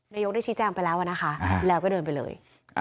ได้ชี้แจงไปแล้วนะคะแล้วก็เดินไปเลย